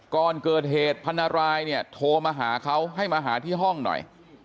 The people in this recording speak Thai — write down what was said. ก่อนเกิดเหตุพันรายเนี่ยโทรมาหาเขาให้มาหาที่ห้องหน่อย